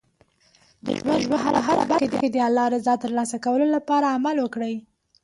د ژوند په هره برخه کې د الله رضا ترلاسه کولو لپاره عمل وکړئ.